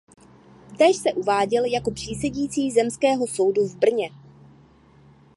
Též se uváděl jako přísedící zemského soudu v Brně.